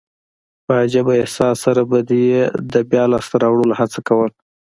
په عجبه احساس سره به دي يي د بیا لاسته راوړلو هڅه کول.